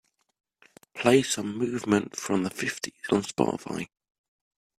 play some movement from the fifties on Spotify